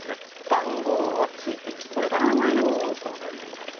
番号はついていてこれから名前がつくものです。